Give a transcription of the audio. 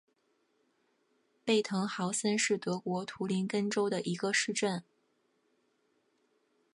贝滕豪森是德国图林根州的一个市镇。